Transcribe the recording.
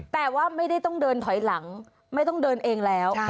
แต่ว่าไม่ได้ต้องเดินถอยหลังไม่ต้องเดินเองแล้ว